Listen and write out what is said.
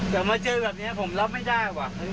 กลับมาเจอแบบนี้ผมรับไม่ได้